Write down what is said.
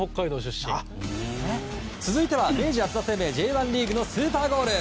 続いては明治安田生命Ｊ１リーグのスーパーゴール。